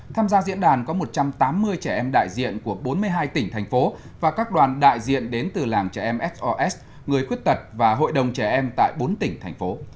tham gia diễn đàn có một trăm tám mươi trẻ em đại diện của bốn mươi hai tỉnh thành phố và các đoàn đại diện đến từ làng trẻ em sos người khuyết tật và hội đồng trẻ em tại bốn tỉnh thành phố